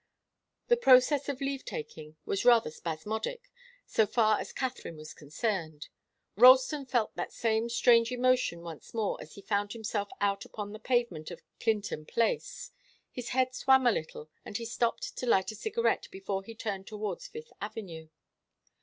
The process of leave taking was rather spasmodic, so far as Katharine was concerned. Ralston felt that same strange emotion once more as he found himself out upon the pavement of Clinton Place. His head swam a little, and he stopped to light a cigarette before he turned towards Fifth Avenue.